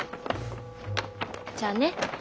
じゃあね。